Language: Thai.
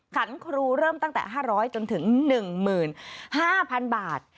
ขันครูเริ่มตั้งแต่๕๐๐จนถึง๑๕๐๐๐บาท